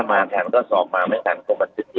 ถ้ามาและถังก็สอบมาไม่ถังคงแม้เนามันจะ๑๙๐๐